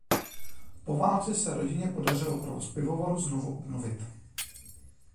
Po válce se rodině podařilo provoz pivovaru znovu obnovit.